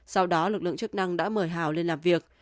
sau đó lực lượng chức năng đã mời hào lên làm việc